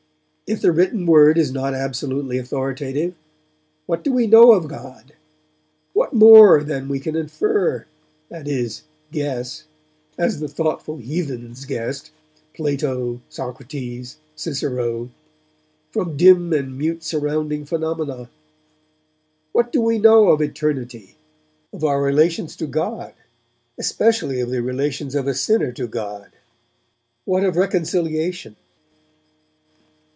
If the written Word is not absolutely authoritative, what do we know of God? What more than we can infer, that is, guess, as the thoughtful heathens guessed, Plato, Socrates, Cicero, from dim and mute surrounding phenomena? What do we know of Eternity? Of our relations to God? Especially of the relations of a sinner to God? What of reconciliation?